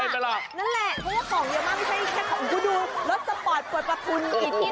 ผู้กำลังมาดูสปอนด์โปรดประทุน